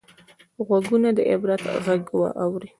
غوږونه د عبرت غږ اوري